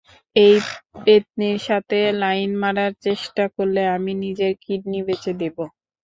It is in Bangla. এই পেত্নীর সাথে লাইন মারার চেষ্টা করলে আমি নিজের কিডনি বেঁচে দেব।